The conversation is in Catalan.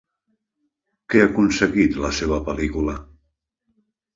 Què ha aconseguit la seva pel·lícula?